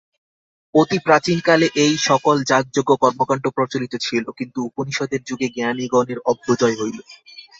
অতি প্রাচীনকালে এই-সকল যাগযজ্ঞ কর্মকাণ্ড প্রচলিত ছিল, কিন্তু উপনিষদের যুগে জ্ঞানিগণের অভ্যুদয় হইল।